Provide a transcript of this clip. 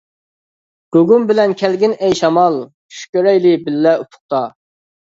گۇگۇم بىلەن كەلگىن ئەي شامال، چۈش كۆرەيلى بىللە ئۇپۇقتا.